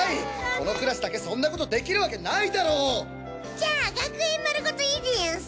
このクラスだけそんなことできるわけないだろう！じゃあ学園まるごといいでヤンス。